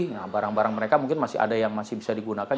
nah barang barang mereka mungkin masih ada yang masih bisa digunakan